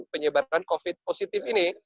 penyebaran covid sembilan belas positif ini